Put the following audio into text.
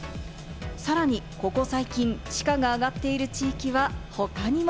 さらにここ最近、地価が上がっている地域は他にも。